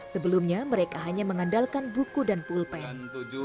sebelumnya mereka hanya mengandalkan buku dan pulpen